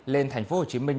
lên thành phố hồ chí minh